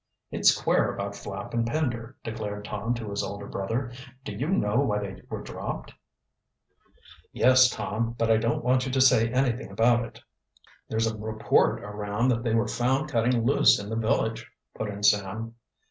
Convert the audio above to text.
"It's queer about Flapp and Pender," declared Tom to his older brother. "Do you know why they were dropped?" "Yes, Tom, but I don't want you to say anything about it." "There's a report around that they were found cutting loose in the village," put in Sam.